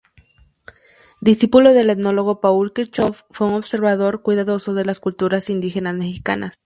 Discípulo del etnólogo Paul Kirchhoff fue un observador cuidadoso de las culturas indígenas mexicanas.